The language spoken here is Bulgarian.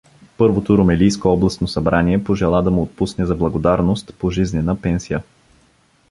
Първото румелийско областно събрание пожела да му отпусне за благодарност пожизнена пенсия.